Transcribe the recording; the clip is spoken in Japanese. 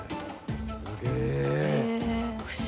すげえ。